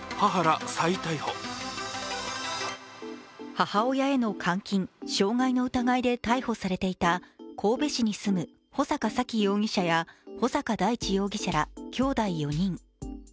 母親への監禁・傷害の疑いで逮捕されていた神戸市に住む穂坂沙喜容疑者や穂坂大地容疑者らきょうだい４人。